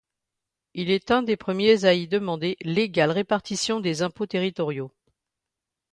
Il est un des premiers à y demander l'égale répartition des impôts territoriaux.